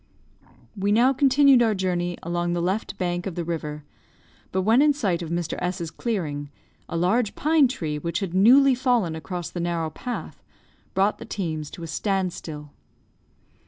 We now continued our journey along the left bank of the river, but when in sight of Mr. S 's clearing, a large pine tree, which had newly fallen across the narrow path, brought the teams to a standstill.